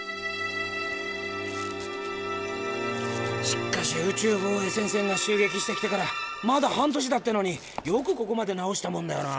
しっかし宇宙防衛戦線が襲撃してきてからまだ半年だってのによくここまで直したもんだよな。